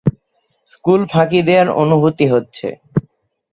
School ফাঁকি দেওয়ার অনুভূতি হচ্ছে।